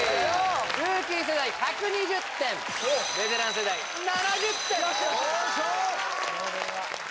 ルーキー世代１２０点ベテラン世代７０点・よいしょー！